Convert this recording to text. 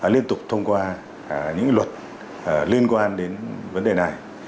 liên tục thông qua những luật liên quan đến vấn đề này